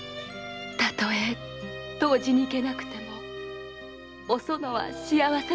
たとえ湯治に行けなくてもおそのは幸せ者です。